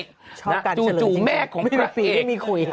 ชอบการเฉลยจริงไม่มีคุย